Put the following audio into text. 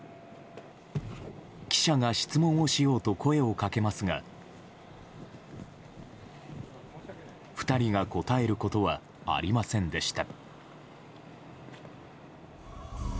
記者が質問をしようと声をかけますが２人が答えることはありませんでした。